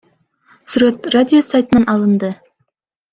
Сүрөт Радиус сайтынан алынды.